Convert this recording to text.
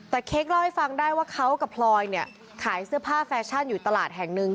แต่เค้กเล่าให้ฟังได้ว่าเขากับพลอยเนี่ยขายเสื้อผ้าแฟชั่นอยู่ตลาดแห่งหนึ่ง